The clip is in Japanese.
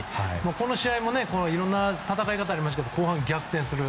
この試合もいろんな戦い方あって後半逆転する。